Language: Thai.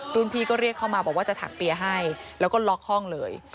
พี่ก็เรียกเข้ามาบอกว่าจะถักเปียร์ให้แล้วก็ล็อกห้องเลย